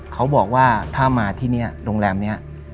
เขาบอกว่าถ้ามาที่นี่โรงแรมนี้